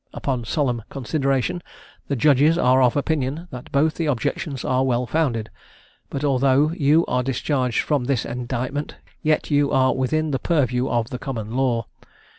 Upon solemn consideration, the judges are of opinion that both the objections are well founded: but, although you are discharged from this indictment, yet you are within the purview of the common law.